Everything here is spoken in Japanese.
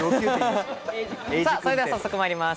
それでは早速まいります。